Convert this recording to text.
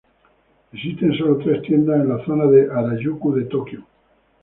Existen sólo tres tiendas en la zona de Harajuku de Tokyo.